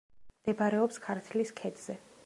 მდებარეობს ქართლის ქედზე.